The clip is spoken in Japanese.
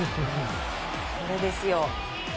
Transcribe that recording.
これですよ！